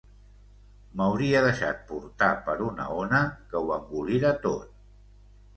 M’hauria deixat portar per una ona que ho engolira tot.